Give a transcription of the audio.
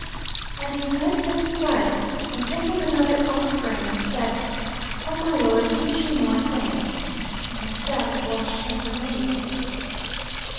And he went to the spider, and took him another offering, and said: "Oh, my lord, teach me more things." And he sat and watched him for many days.